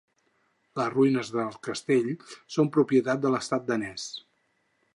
Les ruïnes del castell són propietat de l'estat danès.